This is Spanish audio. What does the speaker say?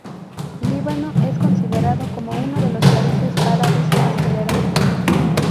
Líbano es considerado como uno de los países árabes más tolerantes.